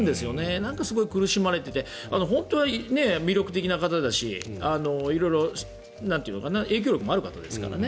なんかすごい苦しまれていて本当は魅力的な方だし色々、影響力もある方ですからね。